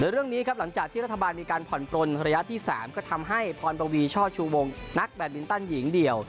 เรื่องนี้ครับหลังจากที่รัฐบาลมีการผ่อนปลนระยะที่๓ก็ทำให้พรปวีช่อชูวงนักแบตมินตันหญิงเดี่ยว